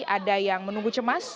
ada yang menunggu cemas